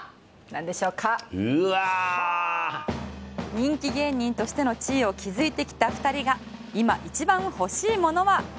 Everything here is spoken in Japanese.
人気芸人としての地位を築いてきた２人が今、一番欲しいものは。